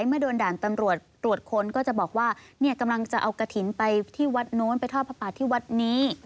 เมื่อโดนด่านตำรวจตรวจค้นก็จะบอกว่าเนี่ยกำลังจะเอากระถิ่นไปที่วัดโน้นไปทอดพระป่าที่วัดนี้